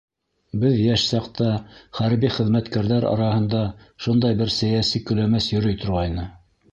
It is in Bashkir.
Беҙ йәш саҡта хәрби хеҙмәткәрҙәр араһында шундай бер сәйәси көләмәс йөрөй торғайны.